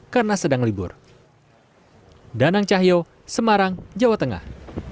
karena sedang libur hai danang cahyo semarang jawa tengah